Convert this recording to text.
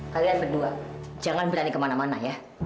kalian berdua jangan berani kemana mana ya